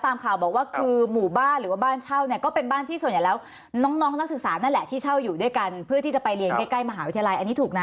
ตามข่าวบอกว่าคือหมู่บ้านหรือว่าบ้านเช่าเนี่ยก็เป็นบ้านที่ส่วนใหญ่แล้วน้องนักศึกษานั่นแหละที่เช่าอยู่ด้วยกันเพื่อที่จะไปเรียนใกล้มหาวิทยาลัยอันนี้ถูกนะ